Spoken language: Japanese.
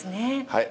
はい。